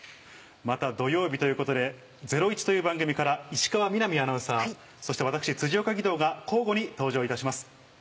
また土曜日ということで『ゼロイチ』という番組から石川みなみアナウンサーそして私辻岡義堂が交互に登場いたします。